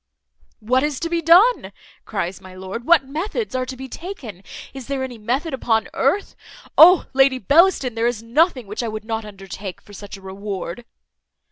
"What is to be done?" cries my lord; "what methods are to be taken? Is there any method upon earth? Oh! Lady Bellaston! there is nothing which I would not undertake for such a reward."